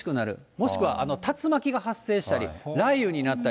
もしくは、竜巻が発生したり、雷雨になったり。